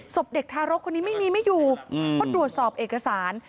ศพเด็กทารกคนนี้ไม่มีไม่อยู่เพราะตรวจสอบเอกสาร